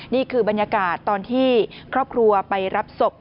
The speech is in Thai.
นี่คือบรรยากาศตอนที่ครอบครัวไปรับศพ